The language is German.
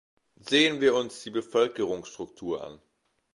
Sehen wir uns die Bevölkerungsstruktur an.